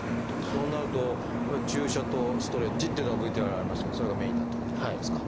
そうなると注射とストレッチっていうのがＶＴＲにありましたがそれがメインになってくるってことですか？